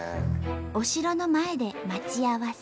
お城の前で待ち合わせ。